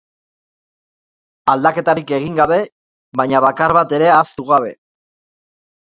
Alderaketarik egin gabe, baina bakar bat ere ahaztu gabe.